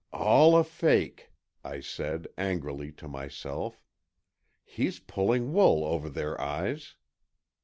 "All a fake," I said, angrily, to myself. "He's pulling wool over their eyes!"